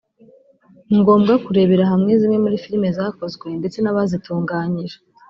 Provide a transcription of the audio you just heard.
ni ngombwa kurebera hamwe zimwe muri filime zakozwe ndetse n’abazitunganyije